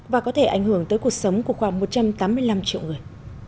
và có thể ảnh hưởng tới cuộc sống của khoảng một trăm tám mươi năm triệu người